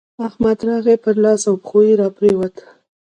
احمد راغی؛ پر لاس او پښو راپرېوت.